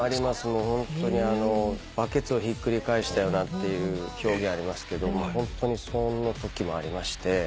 もうホントにあのバケツをひっくり返したようなっていう表現ありますけどそんなときもありまして。